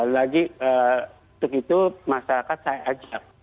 lagi untuk itu masyarakat saya ajak